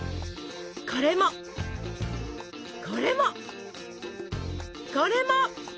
これも。これも。これも！